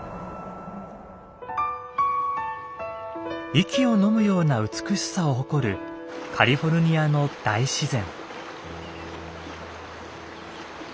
息をのむような美しさを誇るカリフォルニアの大自然。